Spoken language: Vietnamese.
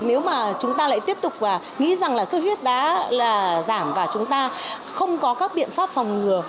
nếu mà chúng ta lại tiếp tục nghĩ rằng là sốt huyết đã giảm và chúng ta không có các biện pháp phòng ngừa